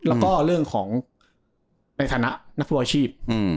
แล้วก็เรื่องของในฐานะนักฟุตบอลอาชีพ